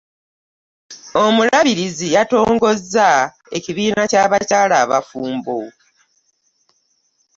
Omulabirizi yattongozza ekibiina kya bakyala abafumbo.